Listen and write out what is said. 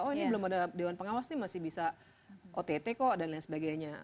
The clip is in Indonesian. oh ini belum ada dewan pengawas ini masih bisa ott kok dan lain sebagainya